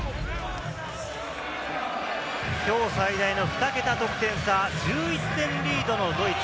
きょう最大の２桁得点差、１１点リードのドイツ。